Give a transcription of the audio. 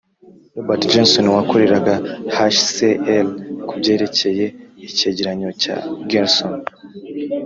robert gersony wakoreraga hcr ku byerekeye icyegeranyo cya gersony